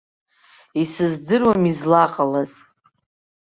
Исыздыруам излаҟалаз.